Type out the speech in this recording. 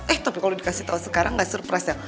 eh tapi kalo dikasih tau sekarang ga surprise ya